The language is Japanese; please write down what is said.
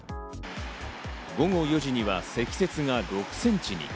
午後４時には積雪が６センチに。